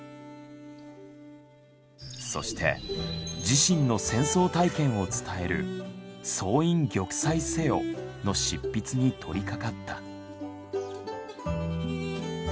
そして自身の戦争体験を伝える「総員玉砕せよ！！」の執筆に取りかかった。